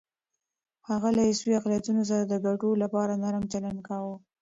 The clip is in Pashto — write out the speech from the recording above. هغه له عیسوي اقلیتونو سره د ګټو لپاره نرم چلند کاوه.